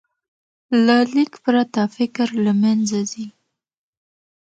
له لیک پرته، فکر له منځه ځي.